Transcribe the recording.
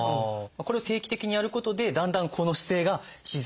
これを定期的にやることでだんだんこの姿勢が自然に。